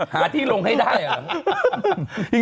หาที่ลงให้ได้เหรอ